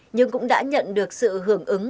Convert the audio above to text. nhưng cũng đã nhận được sự hưởng ứng